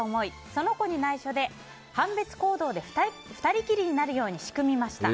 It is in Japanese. その子に内緒で班別行動で２人きりになるように仕組みました。